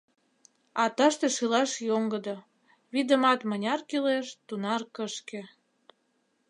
А тыште шӱлаш йоҥгыдо, вӱдымат мыняр кӱлеш, тунар кышке.